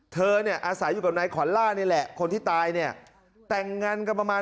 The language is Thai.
เธอเนี่ยอาศัยอยู่กับนายขวัลล่านี่แหละคนที่ตายเนี่ยแต่งงานกันประมาณ